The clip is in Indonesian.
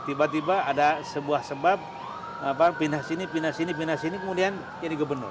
tiba tiba ada sebuah sebab pindah sini pindah sini pindah sini kemudian jadi gubernur